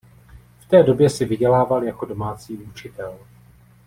V té době si vydělával jako domácí učitel.